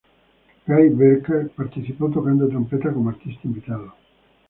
Guy Barker participa tocando trompeta como artista invitado.